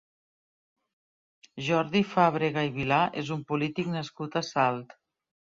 Jordi Fàbrega i Vilà és un polític nascut a Salt.